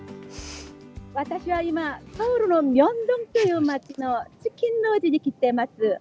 私は今、ソウルのミョンドンという街のチキン通りに来ています。